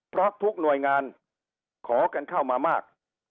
เพราะทุกหน่วยงานขอกันเข้ามามาก